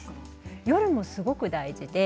夜もすごく大事です。